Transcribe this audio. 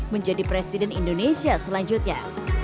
menjadi presiden indonesia selanjutnya